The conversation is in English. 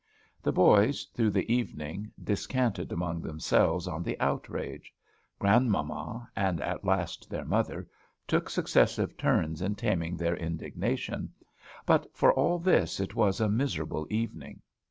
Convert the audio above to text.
The boys, through the evening, descanted among themselves on the outrage. Grandmamma, and at last their mother, took successive turns in taming their indignation; but, for all this, it was a miserable evening.